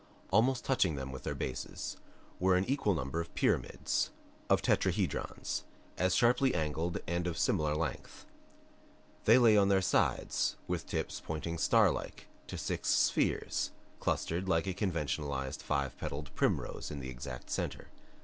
Almost touching them with their bases were an equal number of pyramids, of tetrahedrons, as sharply angled and of similar length. They lay on their sides with tips pointing starlike to six spheres clustered like a conventionalized five petaled primrose in the exact center.